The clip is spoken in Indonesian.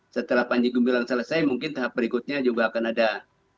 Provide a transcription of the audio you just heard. setelah panji gumilang selesai mungkin tahap berikutnya juga akan ada